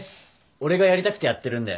俺がやりたくてやってるんで。